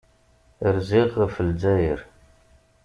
Rziɣ ɣef Lezzayer.